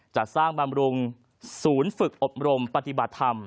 จัดสร้างบำรุงศูนย์ฝึกอบรมปฏิบัติธรรม